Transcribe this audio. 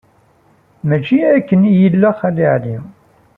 Mačči akken i yella Xali Ɛli.